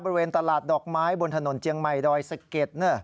บริเวณตลาดดอกไม้บนถนนเจียงใหม่ดอยสะเก็ด